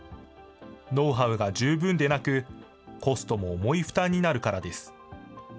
ノウハウが十分でなく、コストも重い負担になるからです。